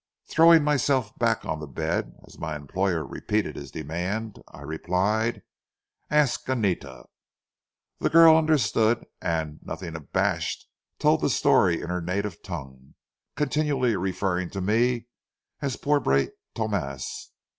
Throwing myself back on the bed, as my employer repeated his demand, I replied, "Ask Anita." The girl understood, and, nothing abashed, told the story in her native tongue, continually referring to me as pobre Tomas.